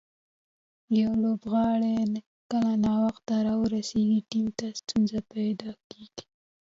یو لوبغاړی کله ناوخته راورسېږي، ټیم ته ستونزه پېدا کیږي.